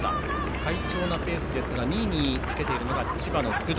快調なペースですが２位につけているのが千葉の工藤。